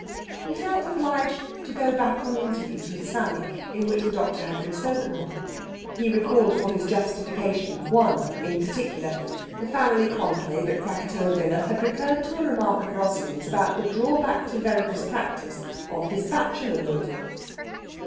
He felt obliged to go back on interviews with Sally, in which the doctor had been spoken of. He recalled for his justification one in particular. The family conclave at Krakatoa Villa had recurred to a remark of Rosalind's about the drawback to Vereker's practice of his bachelorhood.